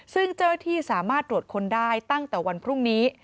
ซึ่งเจ้าหน้าที่สามารถตรวจค้นได้ตั้งแต่วันพรุ่งนี้